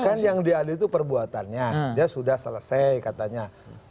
kan yang diadil itu perbuatannya dia sudah selesai katanya